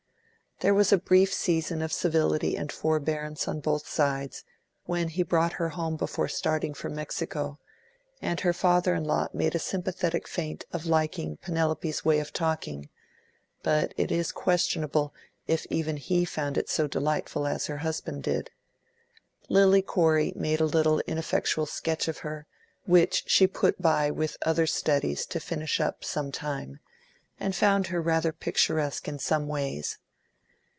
There was a brief season of civility and forbearance on both sides, when he brought her home before starting for Mexico, and her father in law made a sympathetic feint of liking Penelope's way of talking, but it is questionable if even he found it so delightful as her husband did. Lily Corey made a little, ineffectual sketch of her, which she put by with other studies to finish up, sometime, and found her rather picturesque in some ways.